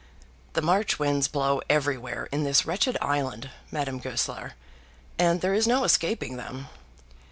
"The March winds blow everywhere in this wretched island, Madame Goesler, and there is no escaping them.